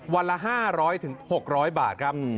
วันละห้าร้อยถึงหกร้อยบาทครับ